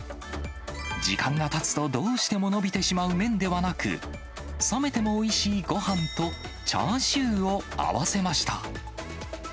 時間がたつとどうしても伸びてしまう麺ではなく、冷めてもおいしいごはんと、チャーシューを合わせました。